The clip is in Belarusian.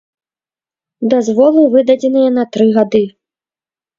Дазволы выдадзеныя на тры гады.